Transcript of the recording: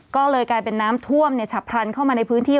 ก็เลยกลายเป็นน้ำท่วมฉับพลันเข้ามาในพื้นที่